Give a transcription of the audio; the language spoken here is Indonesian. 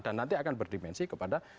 dan nanti akan berdimensi kepada